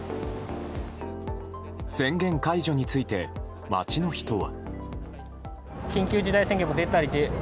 宣言解除について街の人は。